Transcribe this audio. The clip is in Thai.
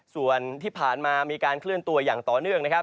ส่วนที่ผ่านมามีการเคลื่อนตัวอย่างต่อเนื่องนะครับ